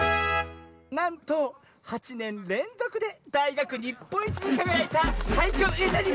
なんと８ねんれんぞくでだいがくにっぽんいちにかがやいたさいきょうなに？